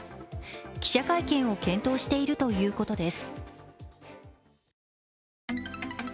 記者会見を検討しているということです。